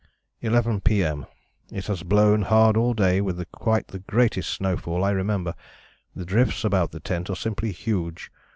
"11 P.M. It has blown hard all day with quite the greatest snowfall I remember. The drifts about the tents are simply huge.